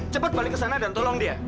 cepat balik ke sana dan tolong dia